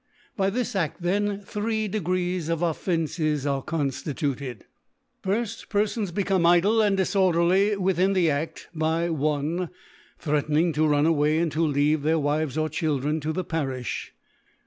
By this Aft then three Degrees of Ofr fences are conftituccd s Firji^ Perfons become idle and dilbrderly within the Aft, by, i. Threatning co run away and to leave their Wives or Children to the Parifh.